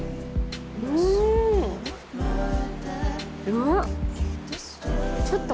うわっ。